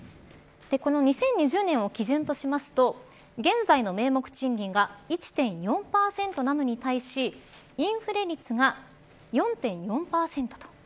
２０２０年を基準としますと現在の名目賃金が１．４％なのに対してインフレ率が４．４％と。